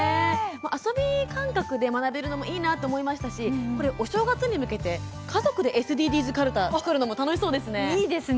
遊び感覚で学べるのでいいなと思いましたしお正月に向けて家族でＳＤＧｓかるたを作るのも楽しそうですね。